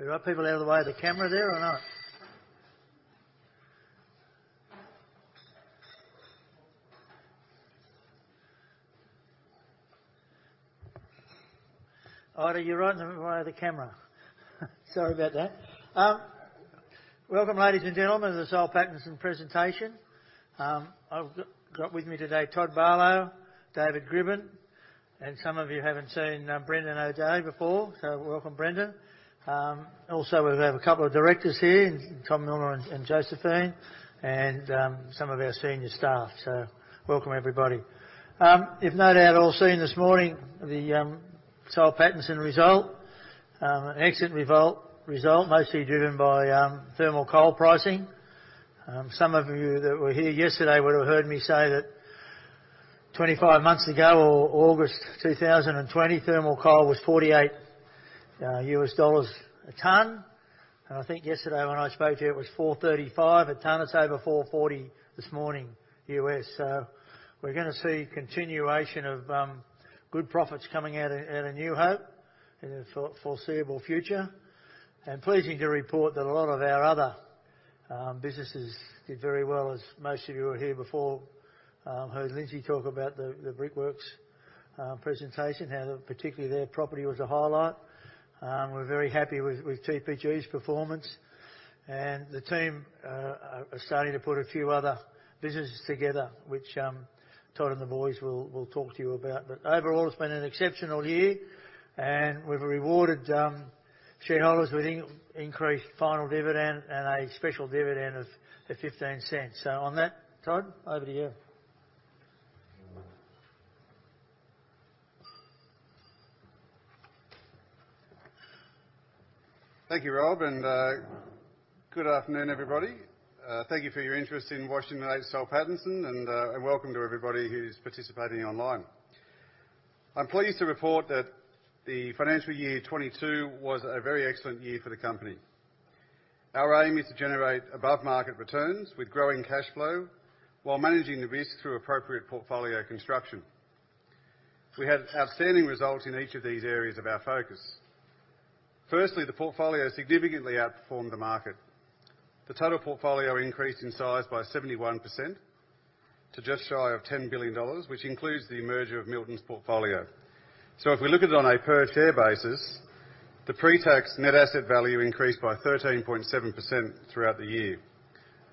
Are people out of the way of the camera there or not? Oh, you're right in front of the camera. Sorry about that. Welcome, ladies and gentlemen, to the Soul Pattinson Presentation. I've got with me today Todd Barlow, David Grbin, and some of you haven't seen Brendan O'Dea before. So welcome, Brendan. Also, we have a couple of directors here, Tom Millner and Josephine and some of our senior staff. So welcome everybody. You've no doubt all seen this morning the Soul Pattinson result. An excellent result mostly driven by thermal coal pricing. Some of you that were here yesterday would have heard me say that 25 months ago, or August 2020, thermal coal was $48 a ton. I think yesterday when I spoke to you it was $435 a ton. It's over $440 this morning, U.S. We're gonna see continuation of good profits coming out of New Hope in the foreseeable future. Pleasing to report that a lot of our other businesses did very well, as most of you who were here before heard Lindsay talk about the Brickworks presentation, how particularly their property was a highlight. We're very happy with TPG's performance. The team are starting to put a few other businesses together, which Todd and the boys will talk to you about. Overall, it's been an exceptional year, and we've rewarded shareholders with increased final dividend and a special dividend of 0.15. On that, Todd, over to you. Thank you, Rob, and good afternoon, everybody. Thank you for your interest in watching the latest Soul Pattinson and welcome to everybody who's participating online. I'm pleased to report that the financial year 2022 was a very excellent year for the company. Our aim is to generate above market returns with growing cash flow while managing the risk through appropriate portfolio construction. We had outstanding results in each of these areas of our focus. Firstly, the portfolio significantly outperformed the market. The total portfolio increased in size by 71% to just shy of 10 billion dollars, which includes the merger of Milton's portfolio. If we look at it on a per share basis, the pre-tax net asset value increased by 13.7% throughout the year,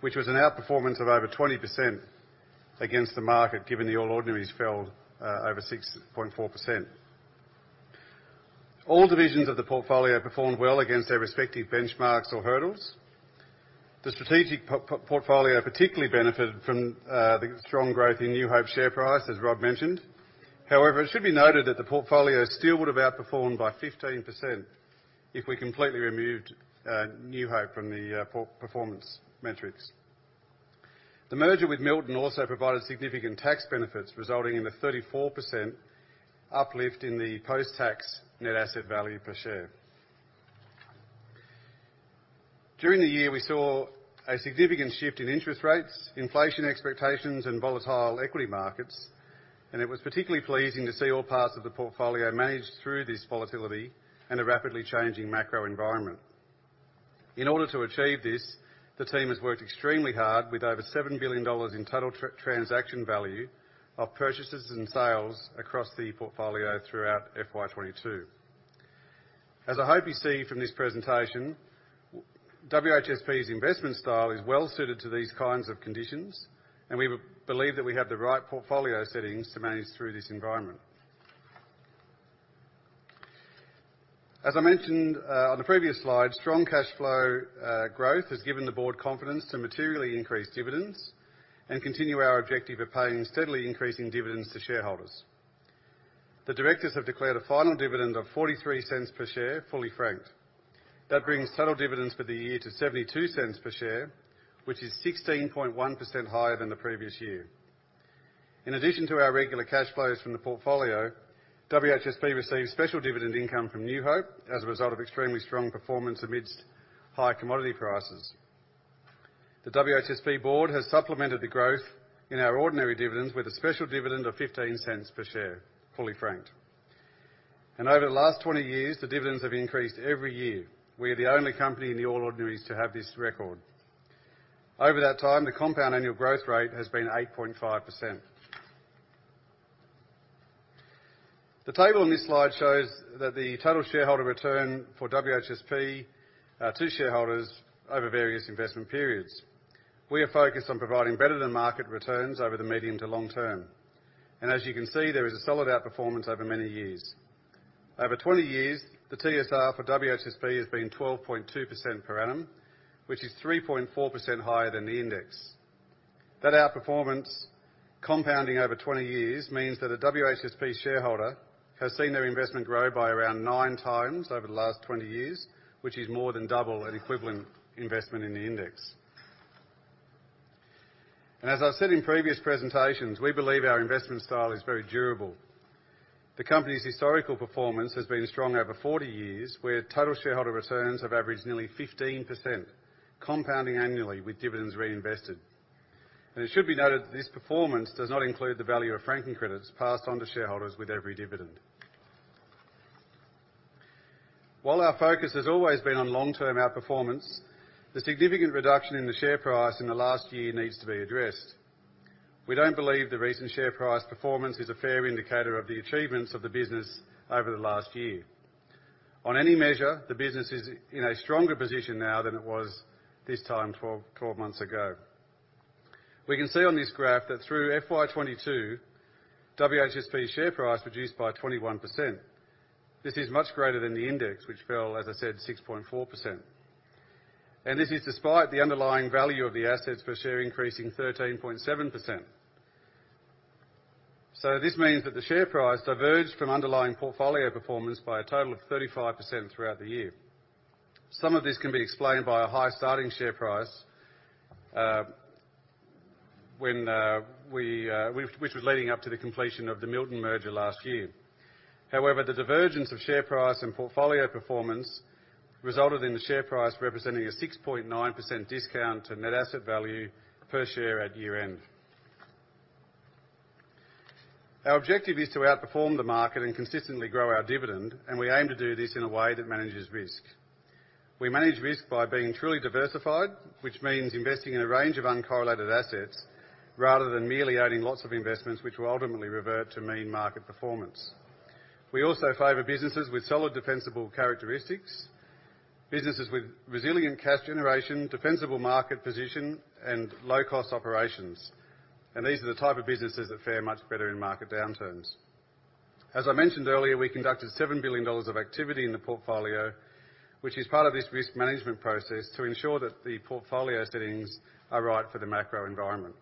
which was an outperformance of over 20% against the market, given the All Ordinaries fell over 6.4%. All divisions of the portfolio performed well against their respective benchmarks or hurdles. The strategic portfolio particularly benefited from the strong growth in New Hope share price, as Rob mentioned. However, it should be noted that the portfolio still would have outperformed by 15% if we completely removed New Hope from the performance metrics. The merger with Milton also provided significant tax benefits, resulting in a 34% uplift in the post-tax net asset value per share. During the year, we saw a significant shift in interest rates, inflation expectations, and volatile equity markets, and it was particularly pleasing to see all parts of the portfolio manage through this volatility and a rapidly changing macro environment. In order to achieve this, the team has worked extremely hard with over 7 billion dollars in total transaction value of purchases and sales across the portfolio throughout FY'22. As I hope you see from this presentation, WHSP's investment style is well-suited to these kinds of conditions, and we believe that we have the right portfolio settings to manage through this environment. As I mentioned on the previous slide, strong cash flow growth has given the board confidence to materially increase dividends and continue our objective of paying steadily increasing dividends to shareholders. The directors have declared a final dividend of 0.43 per share, fully franked. That brings total dividends for the year to 0.72 per share, which is 16.1% higher than the previous year. In addition to our regular cash flows from the portfolio, WHSP received special dividend income from New Hope as a result of extremely strong performance amidst high commodity prices. The WHSP board has supplemented the growth in our ordinary dividends with a special dividend of 0.15 per share, fully franked. Over the last 20 years, the dividends have increased every year. We are the only company in the All Ordinaries to have this record. Over that time, the compound annual growth rate has been 8.5%. The table on this slide shows that the total shareholder return for WHSP to shareholders over various investment periods. We are focused on providing better-than-market returns over the medium to long term. As you can see, there is a solid outperformance over many years. Over 20 years, the TSR for WHSP has been 12.2% per annum, which is 3.4% higher than the index. That outperformance compounding over 20 years means that a WHSP shareholder has seen their investment grow by around 9 times over the last 20 years, which is more than double an equivalent investment in the index. As I said in previous presentations, we believe our investment style is very durable. The company's historical performance has been strong over 40 years, where total shareholder returns have averaged nearly 15%, compounding annually with dividends reinvested. It should be noted that this performance does not include the value of franking credits passed on to shareholders with every dividend. While our focus has always been on long-term outperformance, the significant reduction in the share price in the last year needs to be addressed. We don't believe the recent share price performance is a fair indicator of the achievements of the business over the last year. On any measure, the business is in a stronger position now than it was this time 12 months ago. We can see on this graph that through FY'22, WHSP share price reduced by 21%. This is much greater than the index, which fell, as I said, 6.4%. This is despite the underlying value of the assets per share increasing 13.7%. This means that the share price diverged from underlying portfolio performance by a total of 35% throughout the year. Some of this can be explained by a high starting share price, which was leading up to the completion of the Milton merger last year. However, the divergence of share price and portfolio performance resulted in the share price representing a 6.9% discount to net asset value per share at year-end. Our objective is to outperform the market and consistently grow our dividend, and we aim to do this in a way that manages risk. We manage risk by being truly diversified, which means investing in a range of uncorrelated assets rather than merely owning lots of investments which will ultimately revert to mean market performance. We also favor businesses with solid defensible characteristics, businesses with resilient cash generation, defensible market position, and low-cost operations. These are the type of businesses that fare much better in market downturns. As I mentioned earlier, we conducted 7 billion dollars of activity in the portfolio, which is part of this risk management process to ensure that the portfolio settings are right for the macro environment.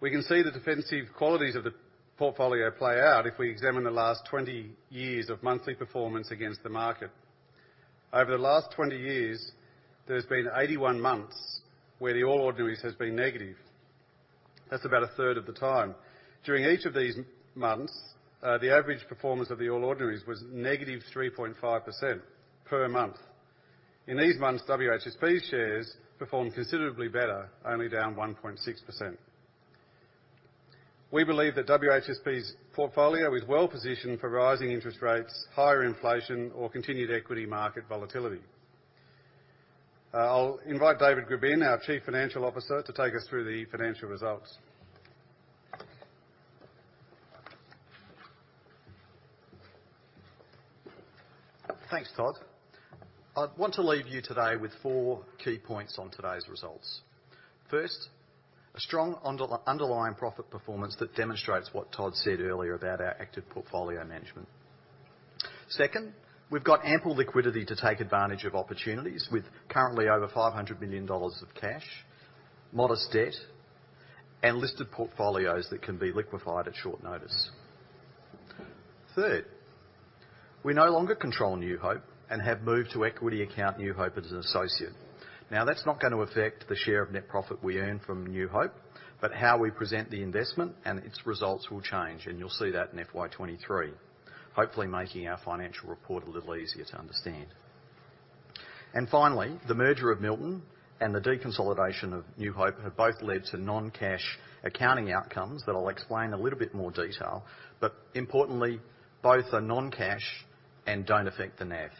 We can see the defensive qualities of the portfolio play out if we examine the last 20 years of monthly performance against the market. Over the last 20 years, there's been 81 months where the All Ordinaries has been negative. That's about a third of the time. During each of these months, the average performance of the All Ordinaries was -3.5% per month. In these months, WHSP's shares performed considerably better, only down 1.6%. We believe that WHSP's portfolio is well-positioned for rising interest rates, higher inflation, or continued equity market volatility. I'll invite David Grbin, our Chief Financial Officer, to take us through the financial results. Thanks, Todd. I want to leave you today with four key points on today's results. First, a strong underlying profit performance that demonstrates what Todd said earlier about our active portfolio management. Second, we've got ample liquidity to take advantage of opportunities with currently over 500 million dollars of cash, modest debt, and listed portfolios that can be liquefied at short notice. Third, we no longer control New Hope and have moved to equity account New Hope as an associate. Now, that's not gonna affect the share of net profit we earn from New Hope, but how we present the investment and its results will change. You'll see that in FY'23, hopefully making our financial report a little easier to understand. Finally, the merger of Milton and the deconsolidation of New Hope have both led to non-cash accounting outcomes that I'll explain in a little bit more detail, but importantly, both are non-cash and don't affect the NAV.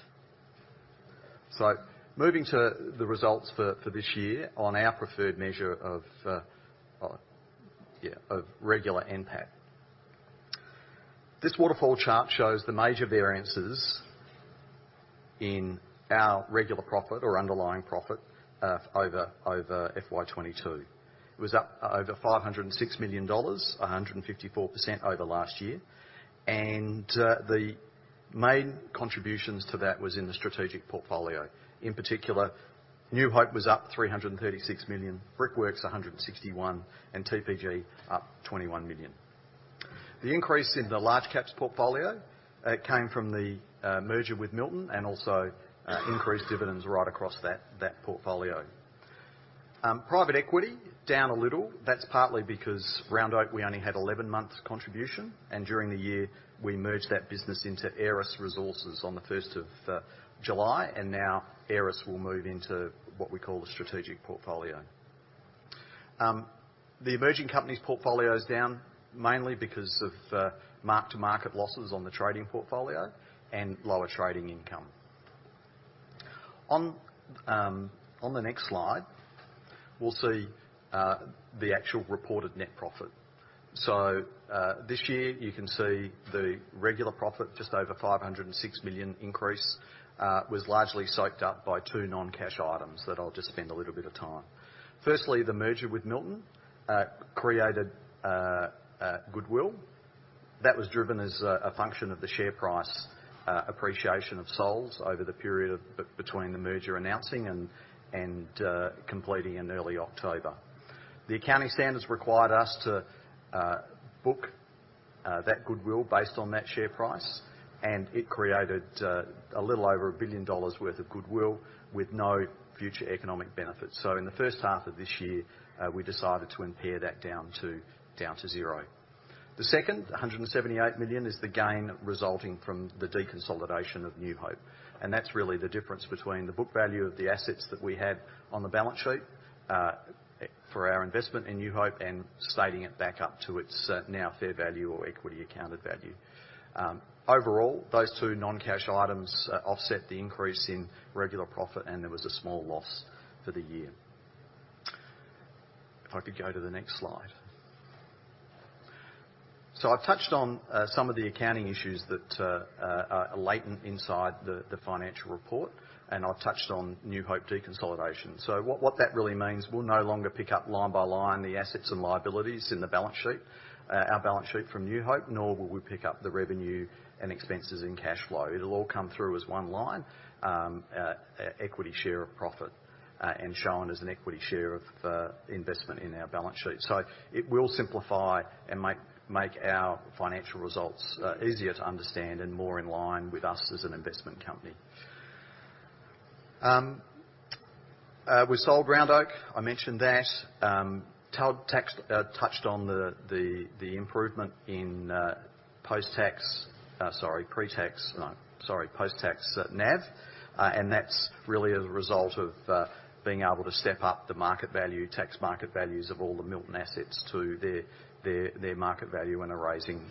Moving to the results for this year on our preferred measure of regular NPAT. This waterfall chart shows the major variances in our regular profit or underlying profit over FY'22. It was up 506 million dollars, 154% over last year. The main contributions to that was in the strategic portfolio. In particular, New Hope was up 336 million, Brickworks 161, and TPG up 21 million. The increase in the large caps portfolio came from the merger with Milton and also increased dividends right across that portfolio. Private equity down a little. That's partly because Round Oak, we only had 11 months contribution, and during the year, we merged that business into Aeris Resources on the first of July, and now Aeris will move into what we call the strategic portfolio. The emerging company's portfolio is down mainly because of mark-to-market losses on the trading portfolio and lower trading income. On the next slide, we'll see the actual reported net profit. This year, you can see the regular profit, just over 506 million increase, was largely soaked up by two non-cash items that I'll just spend a little bit of time. Firstly, the merger with Milton created goodwill. That was driven as a function of the share price appreciation of Soul's over the period between the merger announcing and completing in early October. The accounting standards required us to book that goodwill based on that share price, and it created a little over 1 billion dollars worth of goodwill with no future economic benefits. In the first half of this year, we decided to impair that down to zero. The second, 178 million, is the gain resulting from the deconsolidation of New Hope, and that's really the difference between the book value of the assets that we had on the balance sheet for our investment in New Hope and stating it back up to its now fair value or equity accounted value. Overall, those two non-cash items offset the increase in regular profit, and there was a small loss for the year. If I could go to the next slide. I've touched on some of the accounting issues that are latent inside the financial report, and I've touched on New Hope deconsolidation. What that really means, we'll no longer pick up line by line the assets and liabilities in the balance sheet, our balance sheet from New Hope, nor will we pick up the revenue and expenses in cash flow. It'll all come through as one line, equity share of profit, and shown as an equity share of investment in our balance sheet. It will simplify and make our financial results easier to understand and more in line with us as an investment company. We sold Round Oak. I mentioned that. Touched on the improvement in post-tax NAV, and that's really as a result of being able to step up the market value, tax market values of all the Milton assets to their market value when arising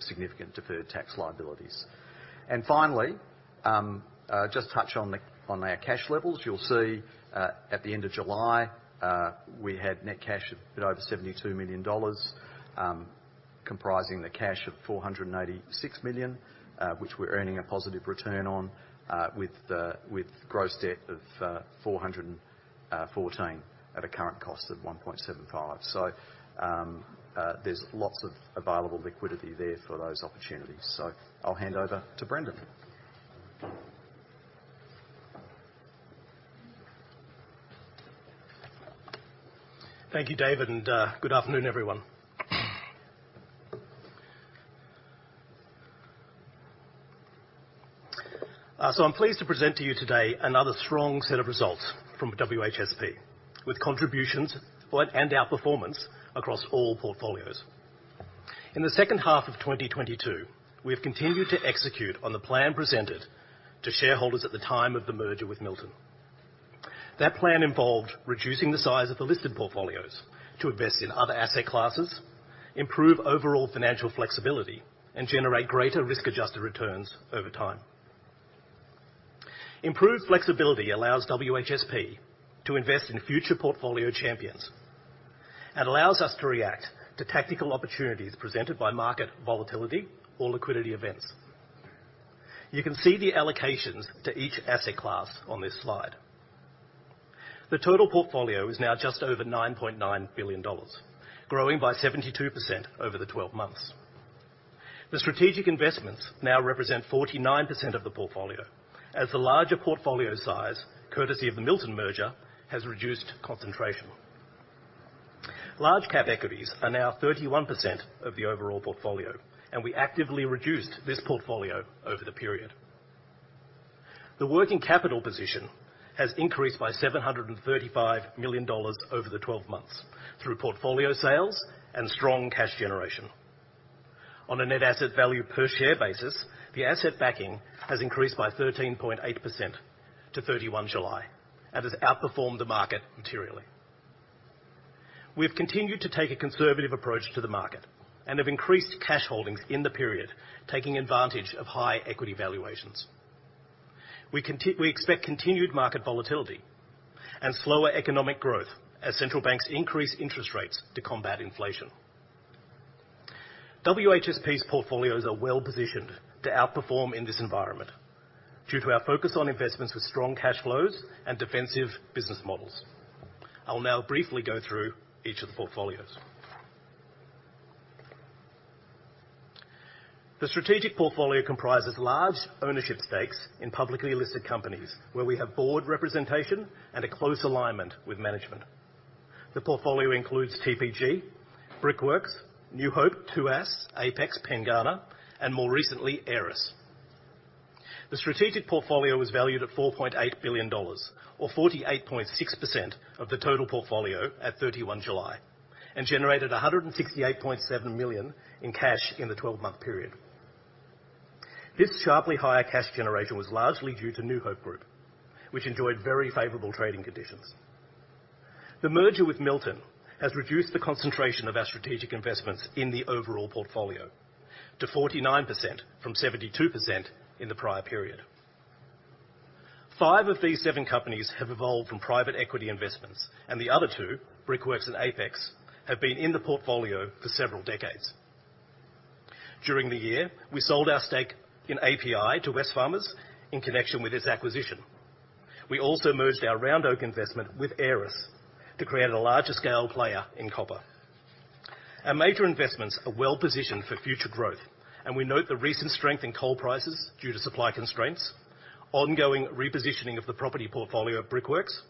significant deferred tax liabilities. Finally, just touch on our cash levels. You'll see at the end of July we had net cash a bit over AUD 72 million, comprising the cash of AUD 486 million, which we're earning a positive return on, with gross debt of 414 at a current cost of 1.75. There's lots of available liquidity there for those opportunities. I'll hand over to Brendan. Thank you, David, and good afternoon, everyone. I'm pleased to present to you today another strong set of results from WHSP, with contributions and outperformance across all portfolios. In the second half of 2022, we have continued to execute on the plan presented to shareholders at the time of the merger with Milton. That plan involved reducing the size of the listed portfolios to invest in other asset classes, improve overall financial flexibility, and generate greater risk-adjusted returns over time. Improved flexibility allows WHSP to invest in future portfolio champions and allows us to react to tactical opportunities presented by market volatility or liquidity events. You can see the allocations to each asset class on this slide. The total portfolio is now just over 9.9 billion dollars, growing by 72% over the 12 months. The strategic investments now represent 49% of the portfolio as the larger portfolio size, courtesy of the Milton merger, has reduced concentration. Large cap equities are now 31% of the overall portfolio, and we actively reduced this portfolio over the period. The working capital position has increased by 735 million dollars over the twelve months through portfolio sales and strong cash generation. On a net asset value per share basis, the asset backing has increased by 13.8% to 31 July and has outperformed the market materially. We've continued to take a conservative approach to the market and have increased cash holdings in the period, taking advantage of high equity valuations. We expect continued market volatility and slower economic growth as central banks increase interest rates to combat inflation. WHSP's portfolios are well-positioned to outperform in this environment due to our focus on investments with strong cash flows and defensive business models. I'll now briefly go through each of the portfolios. The strategic portfolio comprises large ownership stakes in publicly listed companies where we have board representation and a close alignment with management. The portfolio includes TPG, Brickworks, New Hope, TUA, Apex, Pengana, and more recently, Aeris. The strategic portfolio was valued at 4.8 billion dollars or 48.6% of the total portfolio at 31 July and generated 168.7 million in cash in the twelve-month period. This sharply higher cash generation was largely due to New Hope Group, which enjoyed very favorable trading conditions. The merger with Milton has reduced the concentration of our strategic investments in the overall portfolio to 49% from 72% in the prior period. 5 of these 7 companies have evolved from private equity investments, and the other 2, Brickworks and Apex, have been in the portfolio for several decades. During the year, we sold our stake in API to Wesfarmers in connection with its acquisition. We also merged our Round Oak investment with Aeris to create a larger scale player in copper. Our major investments are well positioned for future growth, and we note the recent strength in coal prices due to supply constraints, ongoing repositioning of the property portfolio at Brickworks,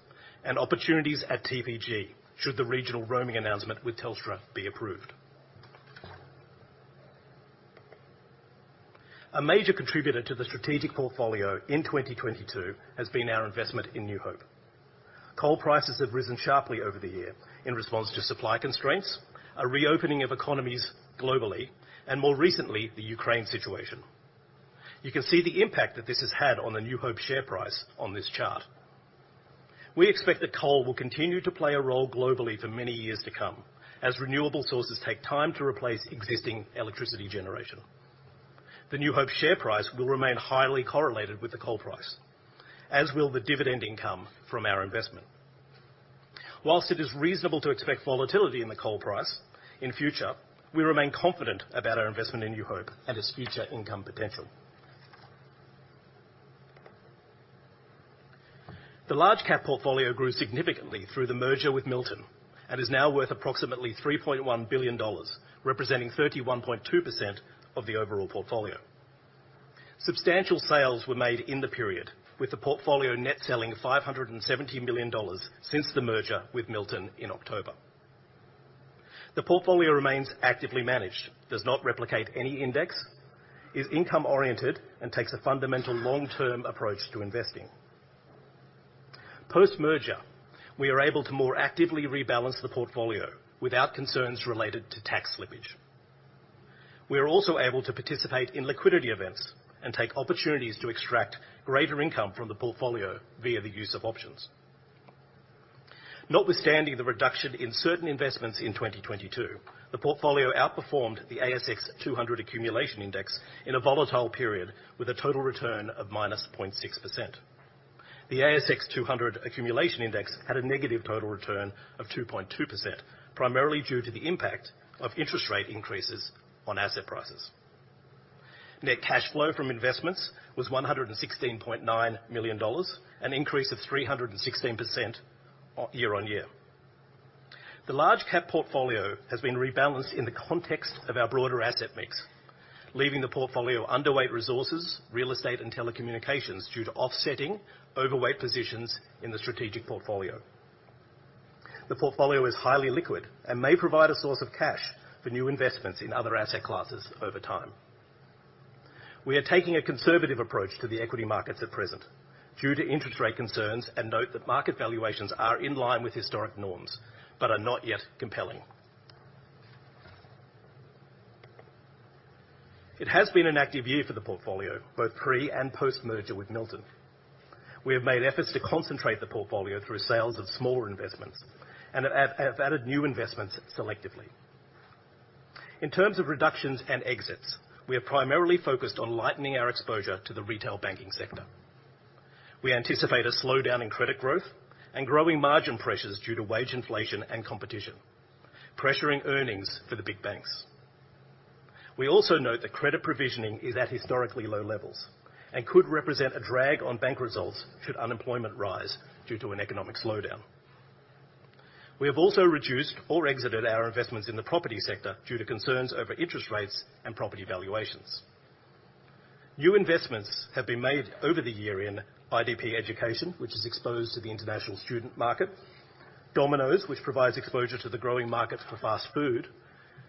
and opportunities at TPG should the regional roaming announcement with Telstra be approved. A major contributor to the strategic portfolio in 2022 has been our investment in New Hope. Coal prices have risen sharply over the year in response to supply constraints, a reopening of economies globally, and more recently, the Ukraine situation. You can see the impact that this has had on the New Hope share price on this chart. We expect that coal will continue to play a role globally for many years to come as renewable sources take time to replace existing electricity generation. The New Hope share price will remain highly correlated with the coal price, as will the dividend income from our investment. While it is reasonable to expect volatility in the coal price in future, we remain confident about our investment in New Hope and its future income potential. The large cap portfolio grew significantly through the merger with Milton and is now worth approximately 3.1 billion dollars, representing 31.2% of the overall portfolio. Substantial sales were made in the period with the portfolio net selling 570 million dollars since the merger with Milton in October. The portfolio remains actively managed, does not replicate any index, is income oriented, and takes a fundamental long-term approach to investing. Post-merger, we are able to more actively rebalance the portfolio without concerns related to tax slippage. We are also able to participate in liquidity events and take opportunities to extract greater income from the portfolio via the use of options. Notwithstanding the reduction in certain investments in 2022, the portfolio outperformed the ASX 200 accumulation index in a volatile period with a total return of -0.6%. The ASX 200 accumulation index had a negative total return of 2.2%, primarily due to the impact of interest rate increases on asset prices. Net cash flow from investments was 116.9 million dollars, an increase of 316% year-over-year. The large cap portfolio has been rebalanced in the context of our broader asset mix, leaving the portfolio underweight resources, real estate, and telecommunications due to offsetting overweight positions in the strategic portfolio. The portfolio is highly liquid and may provide a source of cash for new investments in other asset classes over time. We are taking a conservative approach to the equity markets at present due to interest rate concerns and note that market valuations are in line with historic norms but are not yet compelling. It has been an active year for the portfolio, both pre and post-merger with Milton. We have made efforts to concentrate the portfolio through sales of smaller investments and have added new investments selectively. In terms of reductions and exits, we are primarily focused on lightening our exposure to the retail banking sector. We anticipate a slowdown in credit growth and growing margin pressures due to wage inflation and competition, pressuring earnings for the big banks. We also note that credit provisioning is at historically low levels and could represent a drag on bank results should unemployment rise due to an economic slowdown. We have also reduced or exited our investments in the property sector due to concerns over interest rates and property valuations. New investments have been made over the year in IDP Education, which is exposed to the international student market, Domino's, which provides exposure to the growing markets for fast food,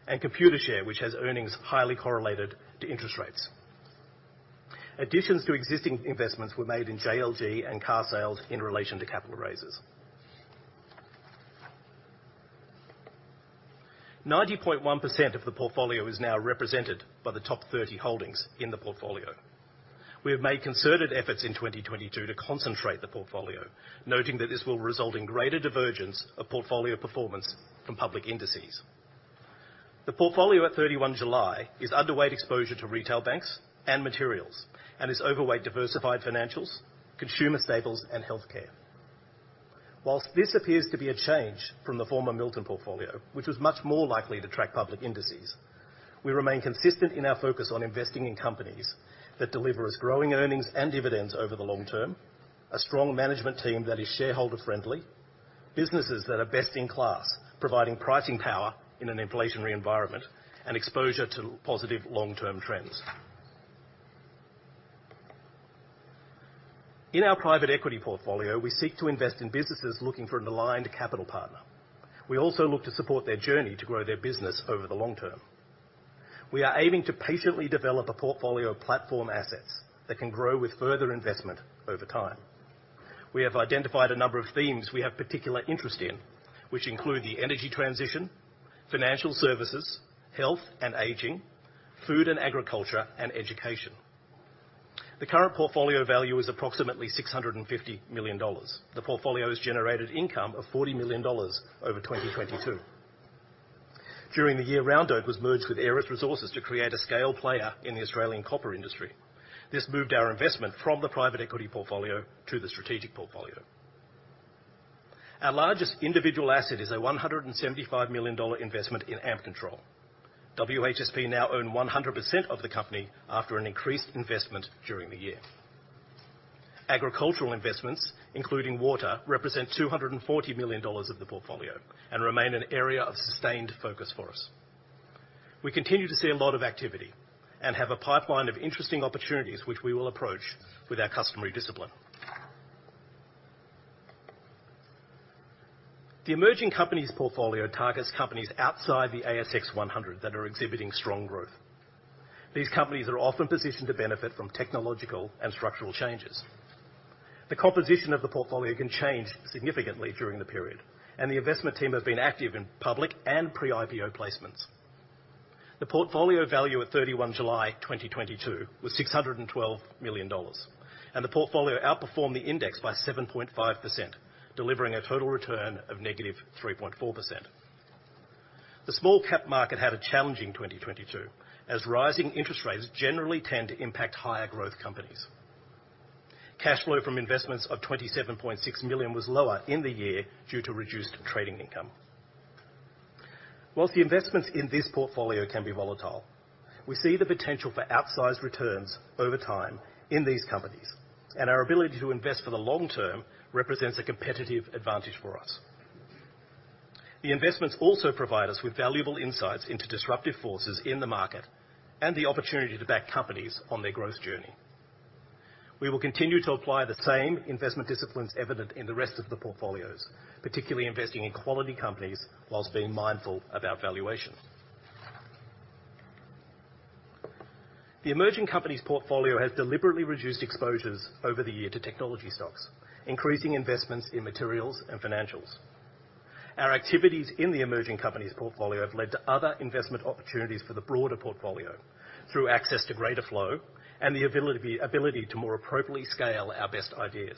and Computershare, which has earnings highly correlated to interest rates. Additions to existing investments were made in JLG and carsales in relation to capital raises. 90.1% of the portfolio is now represented by the top 30 holdings in the portfolio. We have made concerted efforts in 2022 to concentrate the portfolio, noting that this will result in greater divergence of portfolio performance from public indices. The portfolio at 31 July is underweight exposure to retail banks and materials and is overweight diversified financials, consumer staples, and healthcare. While this appears to be a change from the former Milton portfolio, which was much more likely to track public indices, we remain consistent in our focus on investing in companies that deliver us growing earnings and dividends over the long term, a strong management team that is shareholder friendly, businesses that are best in class, providing pricing power in an inflationary environment, and exposure to positive long-term trends. In our private equity portfolio, we seek to invest in businesses looking for an aligned capital partner. We also look to support their journey to grow their business over the long term. We are aiming to patiently develop a portfolio of platform assets that can grow with further investment over time. We have identified a number of themes we have particular interest in which include the energy transition, financial services, health and aging, food and agriculture, and education. The current portfolio value is approximately 650 million dollars. The portfolio has generated income of 40 million dollars over 2022. During the year, Round Oak Minerals was merged with Aeris Resources to create a scale player in the Australian copper industry. This moved our investment from the private equity portfolio to the strategic portfolio. Our largest individual asset is a 175 million dollar investment in Ampcontrol. WHSP now own 100% of the company after an increased investment during the year. Agricultural investments, including water, represent 240 million dollars of the portfolio and remain an area of sustained focus for us. We continue to see a lot of activity and have a pipeline of interesting opportunities which we will approach with our customary discipline. The emerging company's portfolio targets companies outside the S&P/ASX 100 that are exhibiting strong growth. These companies are often positioned to benefit from technological and structural changes. The composition of the portfolio can change significantly during the period, and the investment team have been active in public and pre-IPO placements. The portfolio value at 31 July 2022 was 612 million dollars, and the portfolio outperformed the index by 7.5%, delivering a total return of -3.4%. The small-cap market had a challenging 2022, as rising interest rates generally tend to impact higher growth companies. Cash flow from investments of 27.6 million was lower in the year due to reduced trading income. While the investments in this portfolio can be volatile, we see the potential for outsized returns over time in these companies, and our ability to invest for the long term represents a competitive advantage for us. The investments also provide us with valuable insights into disruptive forces in the market and the opportunity to back companies on their growth journey. We will continue to apply the same investment disciplines evident in the rest of the portfolios, particularly investing in quality companies while being mindful of our valuation. The emerging company's portfolio has deliberately reduced exposures over the year to technology stocks, increasing investments in materials and financials. Our activities in the emerging company's portfolio have led to other investment opportunities for the broader portfolio through access to greater flow and the ability to more appropriately scale our best ideas.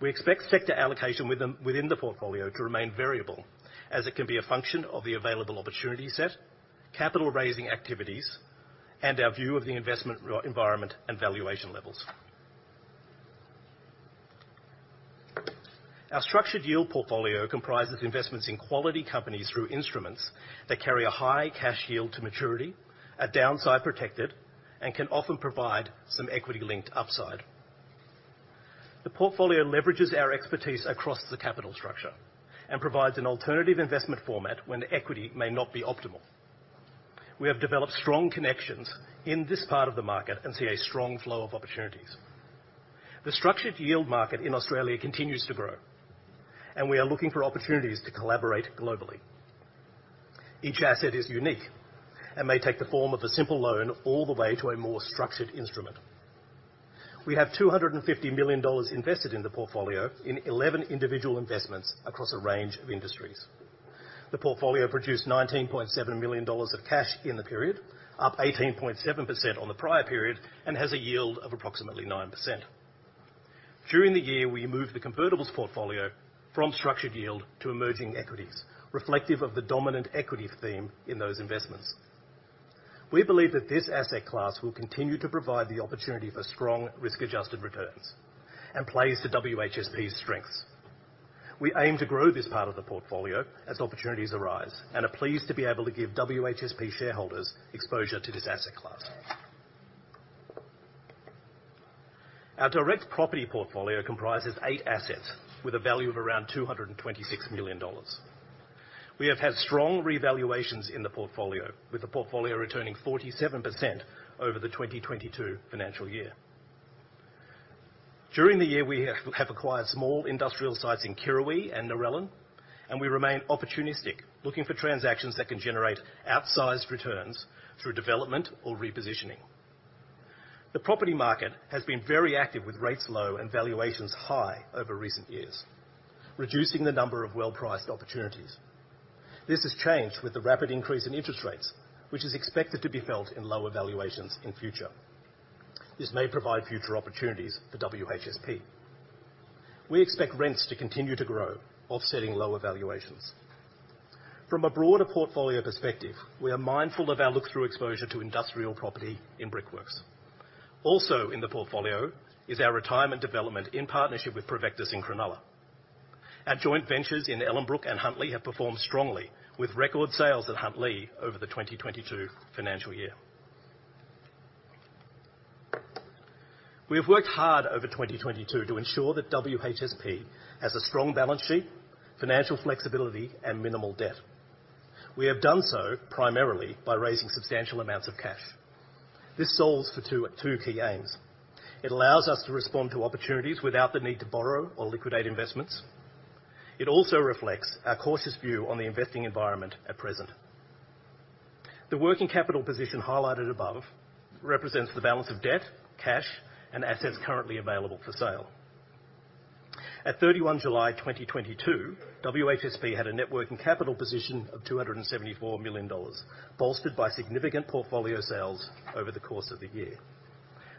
We expect sector allocation with them, within the portfolio to remain variable, as it can be a function of the available opportunity set, capital raising activities, and our view of the investment environment and valuation levels. Our structured yield portfolio comprises investments in quality companies through instruments that carry a high cash yield to maturity, are downside protected, and can often provide some equity-linked upside. The portfolio leverages our expertise across the capital structure and provides an alternative investment format when equity may not be optimal. We have developed strong connections in this part of the market and see a strong flow of opportunities. The structured yield market in Australia continues to grow, and we are looking for opportunities to collaborate globally. Each asset is unique and may take the form of a simple loan all the way to a more structured instrument. We have 250 million dollars invested in the portfolio in 11 individual investments across a range of industries. The portfolio produced 19.7 million dollars of cash in the period, up 18.7% on the prior period, and has a yield of approximately 9%. During the year, we moved the convertibles portfolio from structured yield to emerging equities, reflective of the dominant equity theme in those investments. We believe that this asset class will continue to provide the opportunity for strong risk-adjusted returns and plays to WHSP's strengths. We aim to grow this part of the portfolio as opportunities arise and are pleased to be able to give WHSP shareholders exposure to this asset class. Our direct property portfolio comprises eight assets with a value of around 226 million dollars. We have had strong revaluations in the portfolio, with the portfolio returning 47% over the 2022 financial year. During the year, we have acquired small industrial sites in Kirrawee and Narellan, and we remain opportunistic, looking for transactions that can generate outsized returns through development or repositioning. The property market has been very active with rates low and valuations high over recent years, reducing the number of well-priced opportunities. This has changed with the rapid increase in interest rates, which is expected to be felt in lower valuations in future. This may provide future opportunities for WHSP. We expect rents to continue to grow, offsetting lower valuations. From a broader portfolio perspective, we are mindful of our look-through exposure to industrial property in Brickworks. Also in the portfolio is our retirement development in partnership with Provectus in Cronulla. Our joint ventures in Ellenbrook and Huntley have performed strongly, with record sales at Huntley over the 2022 financial year. We have worked hard over 2022 to ensure that WHSP has a strong balance sheet, financial flexibility, and minimal debt. We have done so primarily by raising substantial amounts of cash. This solves for two key aims. It allows us to respond to opportunities without the need to borrow or liquidate investments. It also reflects our cautious view on the investing environment at present. The working capital position highlighted above represents the balance of debt, cash, and assets currently available for sale. At 31 July 2022, WHSP had a net working capital position of 274 million dollars, bolstered by significant portfolio sales over the course of the year.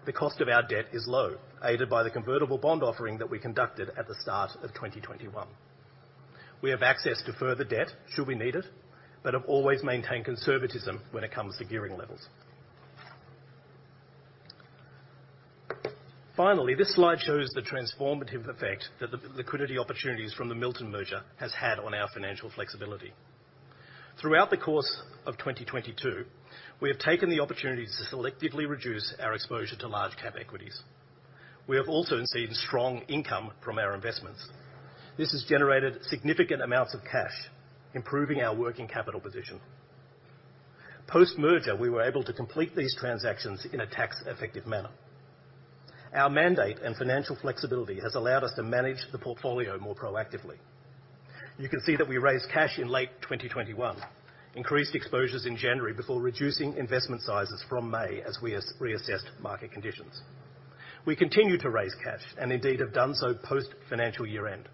The cost of our debt is low, aided by the convertible bond offering that we conducted at the start of 2021. We have access to further debt should we need it, but have always maintained conservatism when it comes to gearing levels. Finally, this slide shows the transformative effect that the liquidity opportunities from the Milton merger has had on our financial flexibility. Throughout the course of 2022, we have taken the opportunities to selectively reduce our exposure to large cap equities. We have also seen strong income from our investments. This has generated significant amounts of cash, improving our working capital position. Post-merger, we were able to complete these transactions in a tax-effective manner. Our mandate and financial flexibility has allowed us to manage the portfolio more proactively. You can see that we raised cash in late 2021, increased exposures in January before reducing investment sizes from May as we reassessed market conditions. We continue to raise cash, and indeed have done so post financial year-end,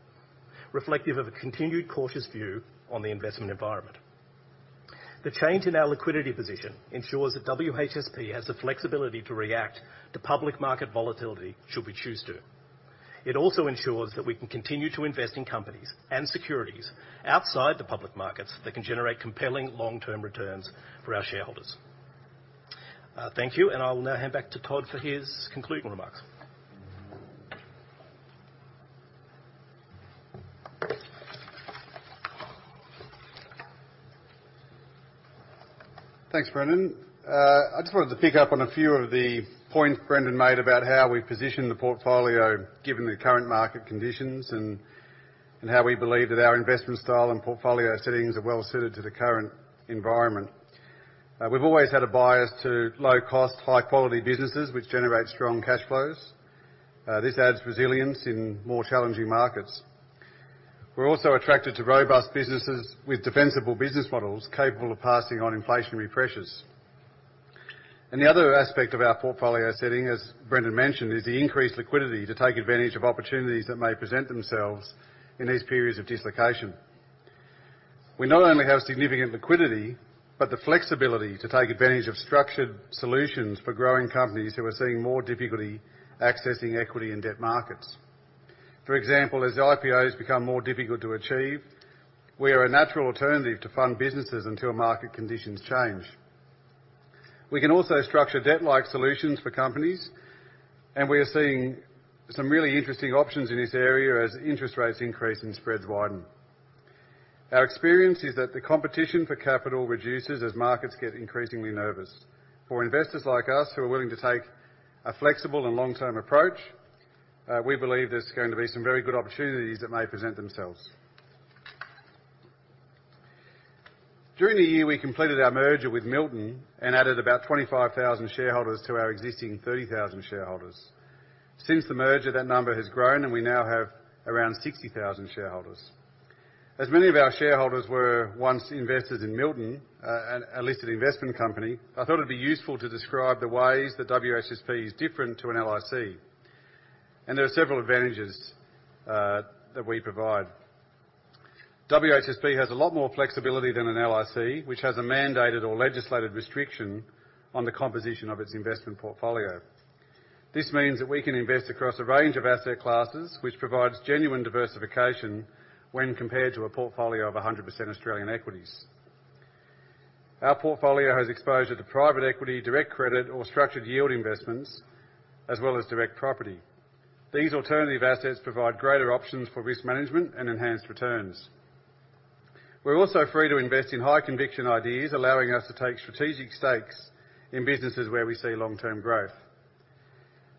reflective of a continued cautious view on the investment environment. The change in our liquidity position ensures that WHSP has the flexibility to react to public market volatility should we choose to. It also ensures that we can continue to invest in companies and securities outside the public markets that can generate compelling long-term returns for our shareholders. Thank you, and I will now hand back to Todd for his concluding remarks. Thanks, Brendan. I just wanted to pick up on a few of the points Brendan made about how we position the portfolio given the current market conditions and how we believe that our investment style and portfolio settings are well-suited to the current environment. We've always had a bias to low-cost, high-quality businesses which generate strong cash flows. This adds resilience in more challenging markets. We're also attracted to robust businesses with defensible business models capable of passing on inflationary pressures. The other aspect of our portfolio setting, as Brendan mentioned, is the increased liquidity to take advantage of opportunities that may present themselves in these periods of dislocation. We not only have significant liquidity, but the flexibility to take advantage of structured solutions for growing companies who are seeing more difficulty accessing equity and debt markets. For example, as IPOs become more difficult to achieve, we are a natural alternative to fund businesses until market conditions change. We can also structure debt-like solutions for companies, and we are seeing some really interesting options in this area as interest rates increase and spreads widen. Our experience is that the competition for capital reduces as markets get increasingly nervous. For investors like us who are willing to take a flexible and long-term approach, we believe there's going to be some very good opportunities that may present themselves. During the year, we completed our merger with Milton and added about 25,000 shareholders to our existing 30,000 shareholders. Since the merger, that number has grown, and we now have around 60,000 shareholders. As many of our shareholders were once invested in Milton, a listed investment company, I thought it'd be useful to describe the ways that WHSP is different to an LIC, and there are several advantages that we provide. WHSP has a lot more flexibility than an LIC, which has a mandated or legislated restriction on the composition of its investment portfolio. This means that we can invest across a range of asset classes, which provides genuine diversification when compared to a portfolio of 100% Australian equities. Our portfolio has exposure to private equity, direct credit, or structured yield investments, as well as direct property. These alternative assets provide greater options for risk management and enhanced returns. We're also free to invest in high-conviction ideas, allowing us to take strategic stakes in businesses where we see long-term growth.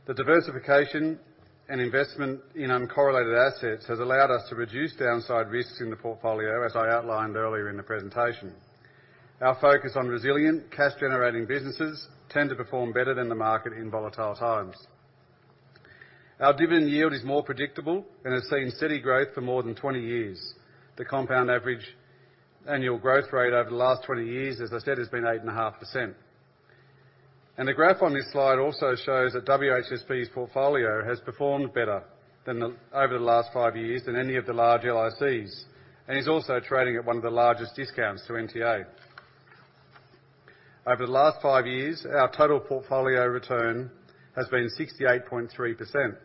The diversification and investment in uncorrelated assets has allowed us to reduce downside risks in the portfolio, as I outlined earlier in the presentation. Our focus on resilient, cash-generating businesses tend to perform better than the market in volatile times. Our dividend yield is more predictable and has seen steady growth for more than 20 years. The compound average annual growth rate over the last 20 years, as I said, has been 8.5%. The graph on this slide also shows that WHSP's portfolio has performed better over the last 5 years than any of the large LICs, and is also trading at one of the largest discounts to NTA. Over the last 5 years, our total portfolio return has been 68.3%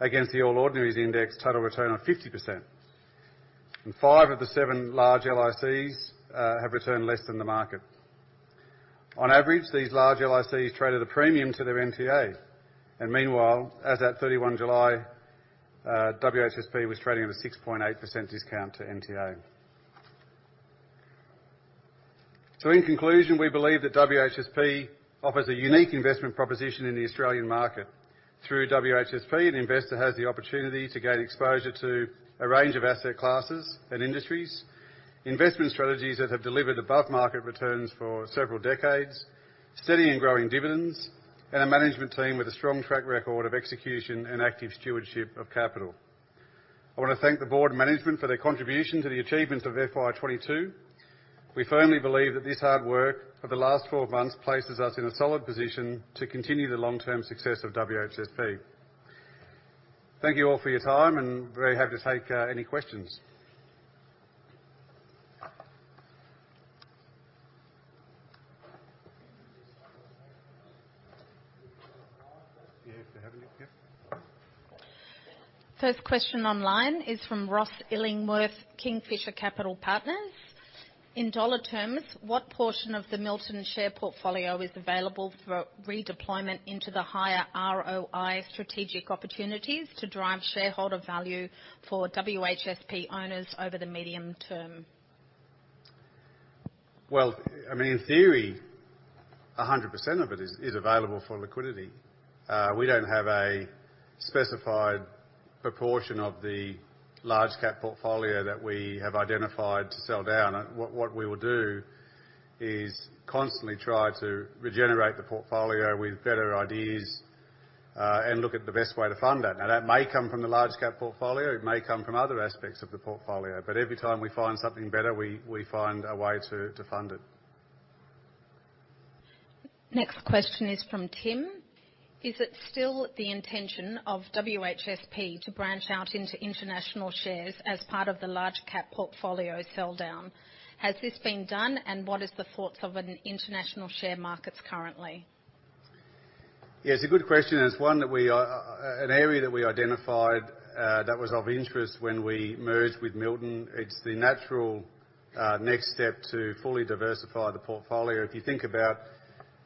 against the All Ordinaries Index total return of 50%. Five of the seven large LICs have returned less than the market. On average, these large LICs trade at a premium to their NTAs. Meanwhile, as at 31 July, WHSP was trading at a 6.8% discount to NTA. In conclusion, we believe that WHSP offers a unique investment proposition in the Australian market. Through WHSP, an investor has the opportunity to gain exposure to a range of asset classes and industries, investment strategies that have delivered above-market returns for several decades, steady and growing dividends, and a management team with a strong track record of execution and active stewardship of capital. I wanna thank the board and management for their contribution to the achievements of FY'22. We firmly believe that this hard work of the last twelve months places us in a solid position to continue the long-term success of WHSP. Thank you all for your time, and very happy to take any questions. Yeah, if we have any. Yeah. First question online is from Ross Illingworth, Kingfisher Capital Partners. In dollar terms, what portion of the Milton share portfolio is available for redeployment into the higher ROI strategic opportunities to drive shareholder value for WHSP owners over the medium term? Well, I mean, in theory, 100% of it is available for liquidity. We don't have a specified proportion of the large cap portfolio that we have identified to sell down. What we will do is constantly try to regenerate the portfolio with better ideas and look at the best way to fund that. Now, that may come from the large cap portfolio, it may come from other aspects of the portfolio, but every time we find something better, we find a way to fund it. Next question is from Tim. Is it still the intention of WHSP to branch out into international shares as part of the large cap portfolio sell down? Has this been done, and what are the thoughts on international share markets currently? Yeah. It's a good question, it's one that an area that we identified that was of interest when we merged with Milton. It's the natural next step to fully diversify the portfolio. If you think about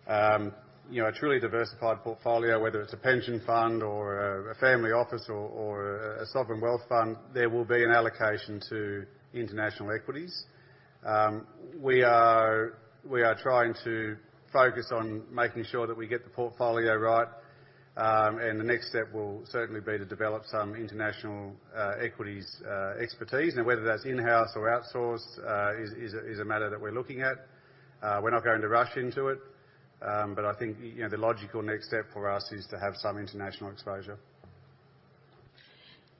you know, a truly diversified portfolio, whether it's a pension fund or a family office or a sovereign wealth fund, there will be an allocation to international equities. We are trying to focus on making sure that we get the portfolio right. The next step will certainly be to develop some international equities expertise. Now, whether that's in-house or outsourced is a matter that we're looking at. We're not going to rush into it. I think you know, the logical next step for us is to have some international exposure.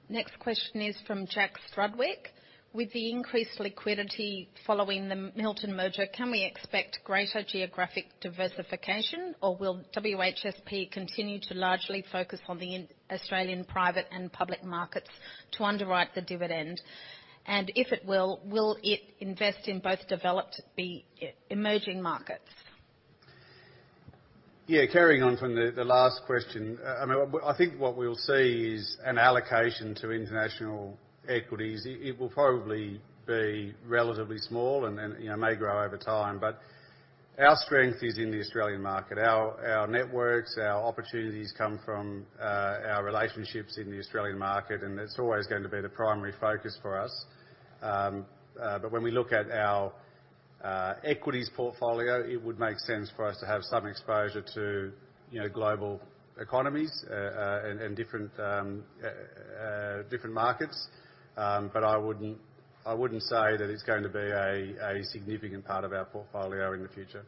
Next question is from Jack Strudwick. With the increased liquidity following the Milton merger, can we expect greater geographic diversification or will WHSP continue to largely focus on the Australian private and public markets to underwrite the dividend? If it will it invest in both developed and emerging markets? Yeah. Carrying on from the last question. I mean, I think what we'll see is an allocation to international equities. It will probably be relatively small and then, you know, may grow over time, but our strength is in the Australian market. Our networks, our opportunities come from our relationships in the Australian market, and that's always going to be the primary focus for us. When we look at our equities portfolio, it would make sense for us to have some exposure to, you know, global economies and different markets. I wouldn't say that it's going to be a significant part of our portfolio in the future.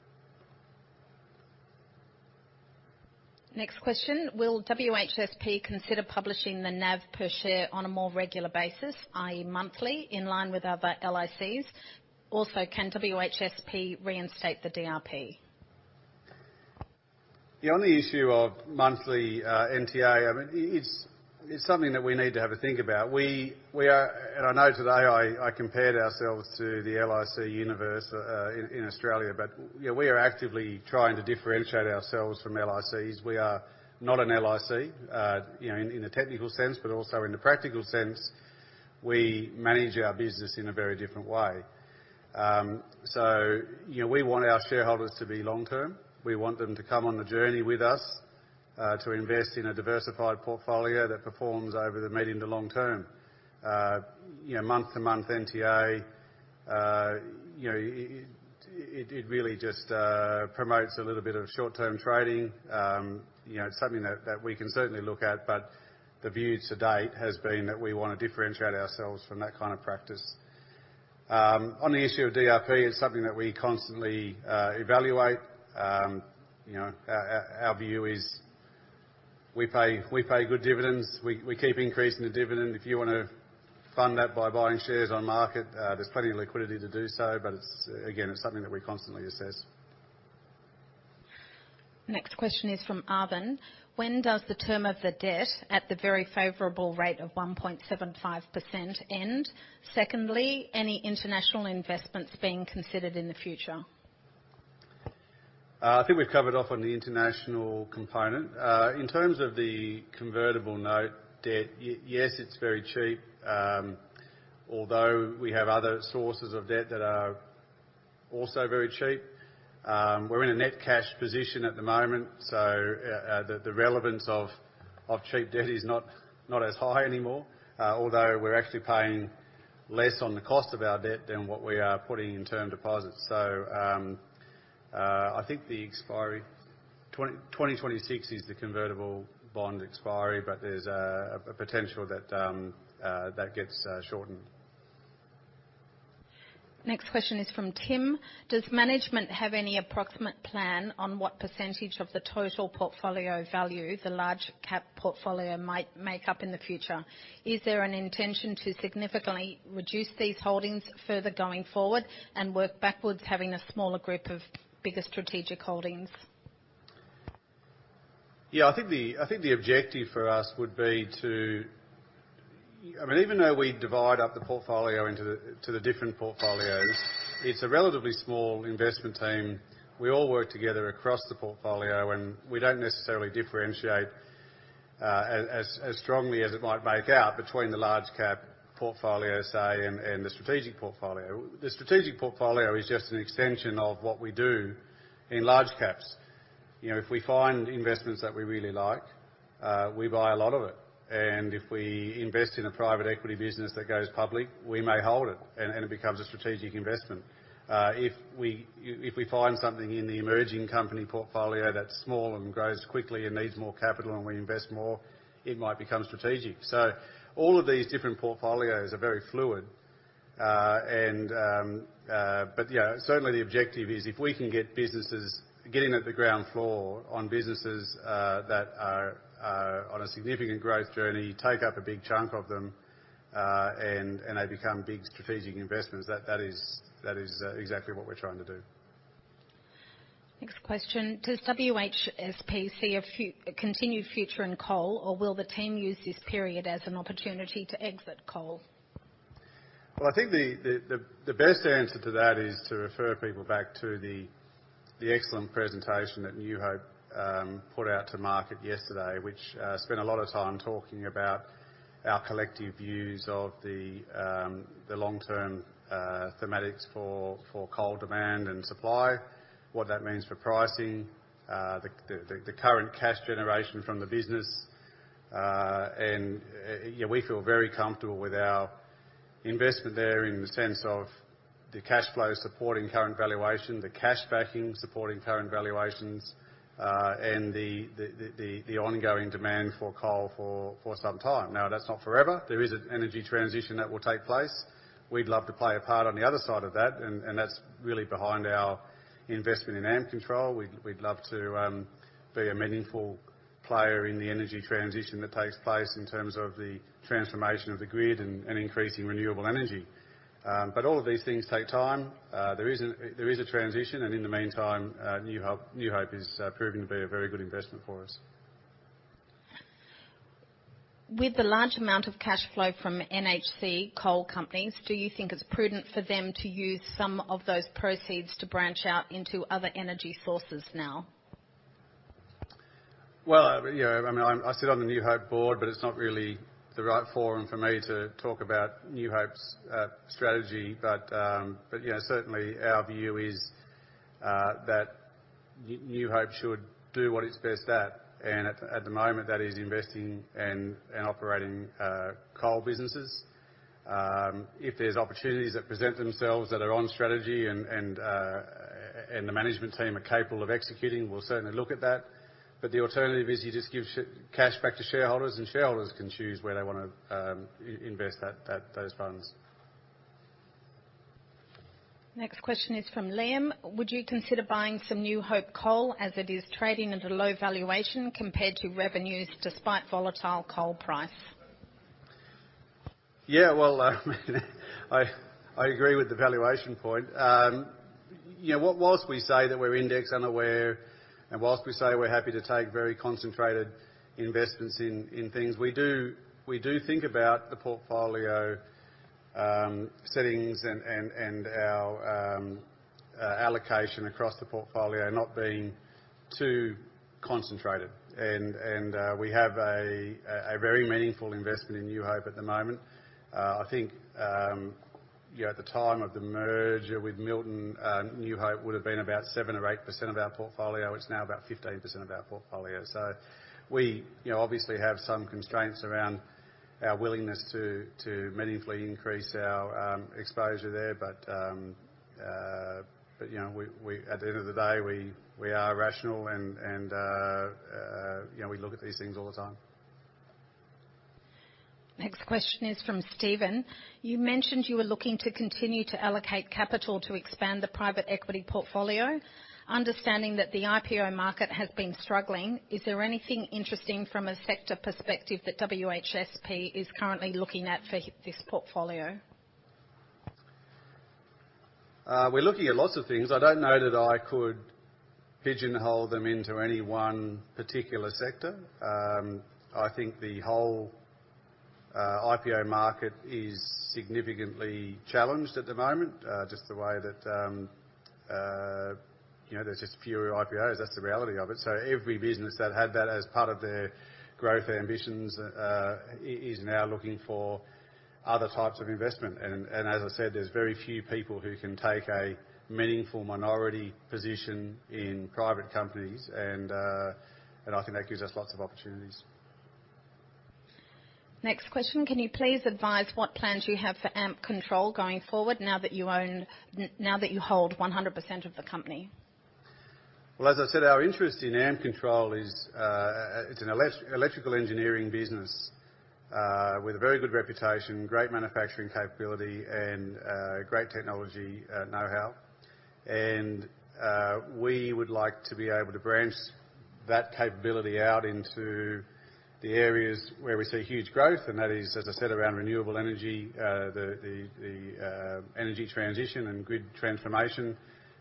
Next question. Will WHSP consider publishing the NAV per share on a more regular basis, i.e., monthly, in line with other LICs? Also, can WHSP reinstate the DRP? Yeah. On the issue of monthly NTA, I mean, it's something that we need to have a think about. We are and I know today I compared ourselves to the LIC universe in Australia, you know, we are actively trying to differentiate ourselves from LICs. We are not an LIC, you know, in a technical sense, but also in a practical sense. We manage our business in a very different way. You know, we want our shareholders to be long-term. We want them to come on the journey with us to invest in a diversified portfolio that performs over the medium to long term. You know, month-to-month NTA, you know, it really just promotes a little bit of short-term trading. You know, it's something that we can certainly look at, but the view to date has been that we wanna differentiate ourselves from that kind of practice. On the issue of DRP, it's something that we constantly evaluate. You know, our view is we pay good dividends. We keep increasing the dividend. If you wanna fund that by buying shares on market, there's plenty of liquidity to do so. It's again something that we constantly assess. Next question is from Arvin. When does the term of the debt at the very favorable rate of 1.75% end? Secondly, any international investments being considered in the future? I think we've covered off on the international component. In terms of the convertible note debt, yes, it's very cheap. Although we have other sources of debt that are also very cheap. We're in a net cash position at the moment, so the relevance of cheap debt is not as high anymore. Although we're actually paying less on the cost of our debt than what we are putting in term deposits. I think the expiry 2026 is the convertible bond expiry, but there's a potential that that gets shortened. Next question is from Tim. Does management have any approximate plan on what percentage of the total portfolio value the large cap portfolio might make up in the future? Is there an intention to significantly reduce these holdings further going forward and work backwards having a smaller group of bigger strategic holdings? Yeah. I think the objective for us would be to I mean, even though we divide up the portfolio into the different portfolios, it's a relatively small investment team. We all work together across the portfolio, and we don't necessarily differentiate as strongly as it might make out between the large cap portfolio, say, and the strategic portfolio. The strategic portfolio is just an extension of what we do in large caps. You know, if we find investments that we really like, we buy a lot of it. If we invest in a private equity business that goes public, we may hold it and it becomes a strategic investment. If we find something in the emerging company portfolio that's small and grows quickly and needs more capital and we invest more, it might become strategic. All of these different portfolios are very fluid. Yeah, certainly the objective is if we can get businesses getting at the ground floor on businesses that are on a significant growth journey, take up a big chunk of them, and they become big strategic investments, that is exactly what we're trying to do. Next question. Does WHSP see a continued future in coal, or will the team use this period as an opportunity to exit coal? Well, I think the best answer to that is to refer people back to the excellent presentation that New Hope put out to market yesterday, which spent a lot of time talking about our collective views of the long-term thematics for coal demand and supply, what that means for pricing, the ongoing cash generation from the business. Yeah, we feel very comfortable with our investment there in the sense of the cash flow supporting current valuation, the cash backing supporting current valuations, and the ongoing demand for coal for some time. Now, that's not forever. There is an energy transition that will take place. We'd love to play a part on the other side of that, and that's really behind our investment in Ampcontrol. We'd love to be a meaningful player in the energy transition that takes place in terms of the transformation of the grid and increasing renewable energy. All of these things take time. There is a transition, and in the meantime, New Hope is proving to be a very good investment for us. With the large amount of cash flow from NHC coal companies, do you think it's prudent for them to use some of those proceeds to branch out into other energy sources now? Well, you know, I mean, I sit on the New Hope board, but it's not really the right forum for me to talk about New Hope's strategy. but you know, certainly our view is that New Hope should do what it's best at. at the moment, that is investing and operating coal businesses. if there's opportunities that present themselves that are on strategy and the management team are capable of executing, we'll certainly look at that. the alternative is you just give cash back to shareholders, and shareholders can choose where they wanna invest those funds. Next question is from Liam. Would you consider buying some New Hope coal as it is trading at a low valuation compared to revenues despite volatile coal price? Yeah, well, I agree with the valuation point. You know, whilst we say that we're index unaware, and whilst we say we're happy to take very concentrated investments in things, we do think about the portfolio settings and our allocation across the portfolio not being too concentrated. We have a very meaningful investment in New Hope at the moment. I think you know, at the time of the merger with Milton, New Hope would have been about 7% or 8% of our portfolio. It's now about 15% of our portfolio. We obviously have some constraints around our willingness to meaningfully increase our exposure there. But you know, we At the end of the day, we are rational and you know, we look at these things all the time. Next question is from Steven. You mentioned you were looking to continue to allocate capital to expand the private equity portfolio. Understanding that the IPO market has been struggling, is there anything interesting from a sector perspective that WHSP is currently looking at for this portfolio? We're looking at lots of things. I don't know that I could pigeonhole them into any one particular sector. I think the whole IPO market is significantly challenged at the moment, just the way that, you know, there's just fewer IPOs. That's the reality of it. Every business that had that as part of their growth ambitions is now looking for other types of investment. As I said, there's very few people who can take a meaningful minority position in private companies, and I think that gives us lots of opportunities. Next question. Can you please advise what plans you have for Ampcontrol going forward now that you hold 100% of the company? Well, as I said, our interest in Ampcontrol is, it's an electrical engineering business, with a very good reputation, great manufacturing capability and, great technology, know-how. We would like to be able to branch that capability out into the areas where we see huge growth, and that is, as I said, around renewable energy, the energy transition and grid transformation.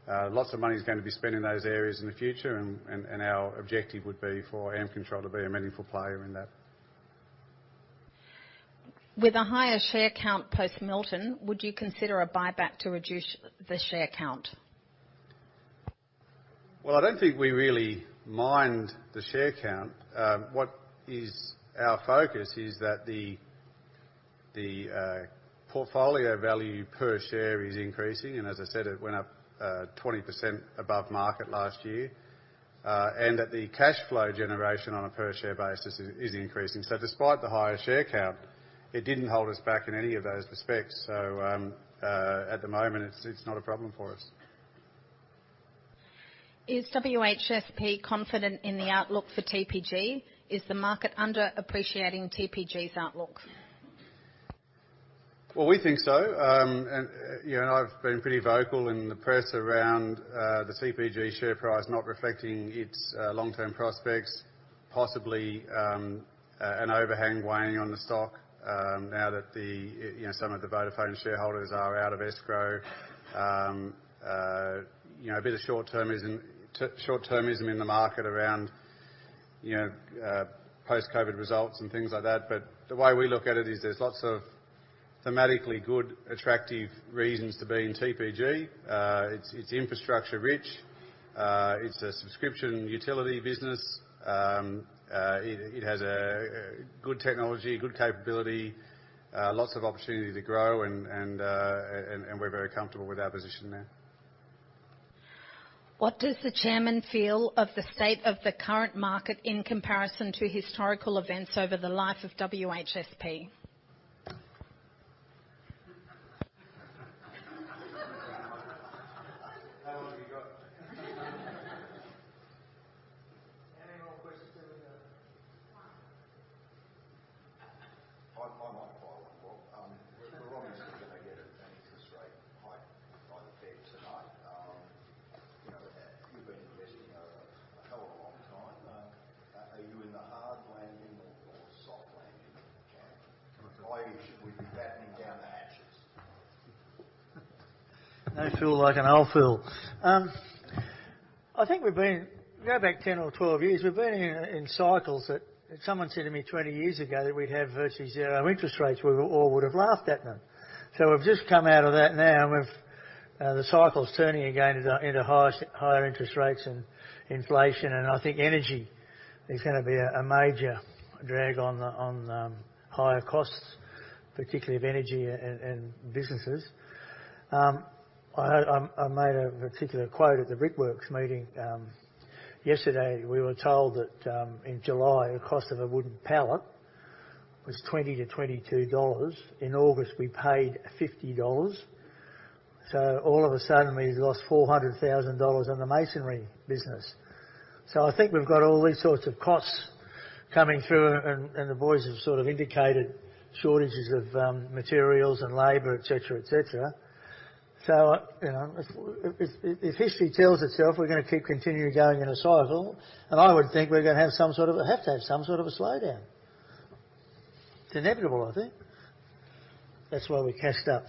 Lots of money is gonna be spent in those areas in the future and our objective would be for Ampcontrol to be a meaningful player in that. With a higher share count post Milton, would you consider a buyback to reduce the share count? Well, I don't think we really mind the share count. What our focus is that the portfolio value per share is increasing, and as I said, it went up 20% above market last year. And that the cash flow generation on a per share basis is increasing. Despite the higher share count, it didn't hold us back in any of those respects. At the moment, it's not a problem for us. Is WHSP confident in the outlook for TPG? Is the market under-appreciating TPG's outlook? Well, we think so. I've been pretty vocal in the press around the TPG share price not reflecting its long-term prospects, possibly an overhang weighing on the stock, now that you know, some of the Vodafone shareholders are out of escrow. You know, a bit of short-termism in the market around you know, post-COVID results and things like that. The way we look at it is there's lots of thematically good, attractive reasons to be in TPG. It's infrastructure rich. It's a subscription utility business. It has good technology, good capability, lots of opportunity to grow and we're very comfortable with our position there. What does the chairman feel of the state of the current market in comparison to historical events over the life of WHSP? How long have you got? Any more questions in the? One. I might fire one more. We're obviously gonna get an interest rate hike by the Fed tonight. You know, you've been investing a hell of a long time. Are you in the hard landing or soft landing camp? From a value, should we be battening down the hatches? They feel like an old fool. I think, go back 10 or 12 years, we've been in cycles that if someone said to me 20 years ago that we'd have virtually zero interest rates, we all would have laughed at them. We've just come out of that now, and the cycle's turning again into higher interest rates and inflation. I think energy is gonna be a major drag on the higher costs, particularly of energy and businesses. I made a particular quote at the Brickworks meeting yesterday. We were told that in July, the cost of a wooden pallet was 20-22 dollars. In August, we paid 50 dollars. All of a sudden, we lost 400,000 dollars on the masonry business. I think we've got all these sorts of costs coming through and the boys have sort of indicated shortages of materials and labor, et cetera, et cetera. You know, if history tells itself, we're gonna keep continuing going in a cycle, and I would think we're gonna have to have some sort of a slowdown. It's inevitable, I think. That's why we cashed up.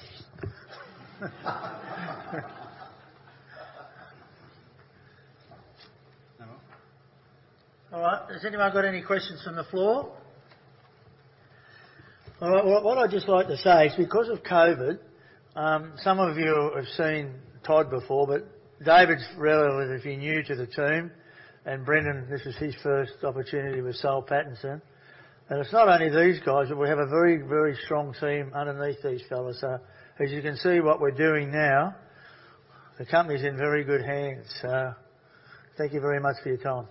All right. Has anyone got any questions from the floor? All right. What I'd just like to say is because of COVID, some of you have seen Todd before, but David's relatively new to the team, and Brendan, this is his first opportunity with Soul Pattinson. It's not only these guys, but we have a very, very strong team underneath these fellas. As you can see what we're doing now, the company's in very good hands. Thank you very much for your time.